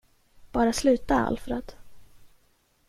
Bara sluta, Alfred.